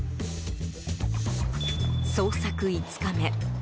捜索５日目。